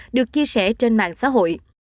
được chia sẻ trên mạng xã hội